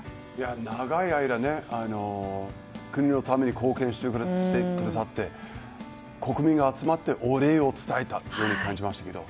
長い間、国のために貢献してくださって国民が集まってお礼を伝えたと感じましたけど。